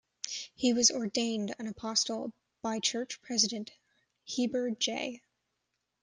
He was ordained an apostle by church president Heber J.